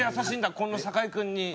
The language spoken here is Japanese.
こんな酒井君に。